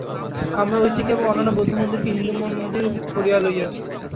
আমরা ঐটিকে এবং অন্যান্য বৌদ্ধমন্দিরকে হিন্দুমন্দির করিয়া লইয়াছি।